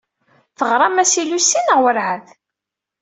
Teɣram-as i Lucy neɣ werɛad?